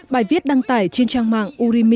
bài viết đăng tải trên trang mạng urimi